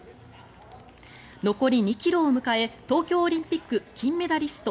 残り２ｋｍを迎え東京オリンピック金メダリスト